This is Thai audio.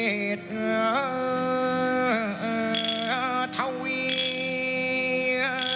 เถาเวทเถาเวีย